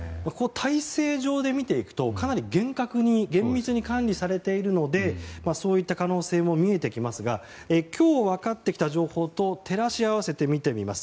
体制上で見ていくとかなり厳格に厳密に管理されているのでそんな可能性も見えてきますが今日分かってきた情報と照らし合わせて見てみます。